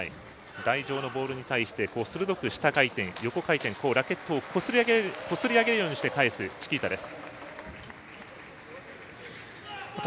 相手のボールに対して鋭く下回転、横回転ラケットをこすりあげるようにして返すチキータです。